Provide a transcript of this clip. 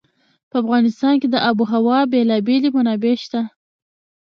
په افغانستان کې د آب وهوا بېلابېلې منابع شته.